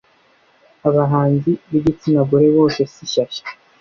abahanzi bigitsinagore bose si shyashya.